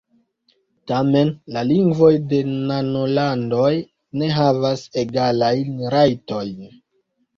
Tamen la lingvoj de nanolandoj ne havas egalajn rajtojn.